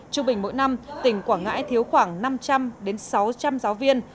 trung bình mỗi năm tỉnh quảng ngãi thiếu khoảng năm trăm linh đến sáu trăm linh giáo viên